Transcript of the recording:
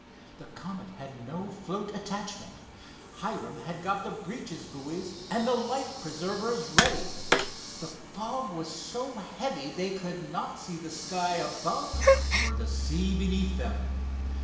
The Comet had no float attachment. Hiram got the breeches buoys and the life preservers ready. The fog was so heavy they could not see the sky above nor the sea beneath them.